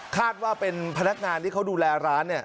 คาดว่าเป็นพนักงานที่เขาดูแลร้าน